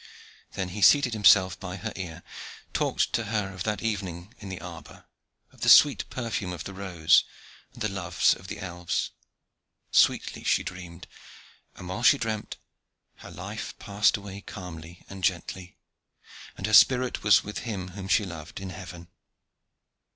Then he seated himself by her ear, talked to her of that evening in the arbor, of the sweet perfume of the rose, and the loves of the elves. Sweetly she dreamed, and while she dreamt, her life passed away calmly and gently, and her spirit was with him whom she loved, in heaven.